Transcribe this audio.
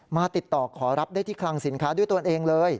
มาติดต่อขอรับได้ที่คลังสินค้าด้วยตนเองเลย